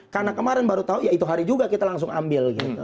karena kemarin baru tahu ya itu hari juga kita langsung ambil